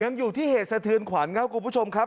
ยังอยู่ที่เหตุสะเทือนขวัญครับคุณผู้ชมครับ